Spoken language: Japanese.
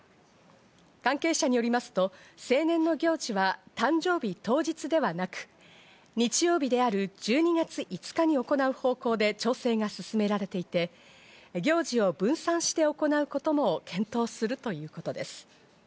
関係者によりますと、成年の行事は誕生日当日ではなく、日曜日である１２月５日に行う方向で調整が進められていて、行事を分散して行うことも検討するということです。